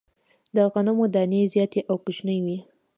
د غنمو دانې زیاتي او کوچنۍ وې.